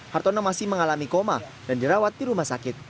hartono masih mengalami koma dan dirawat di rumah sakit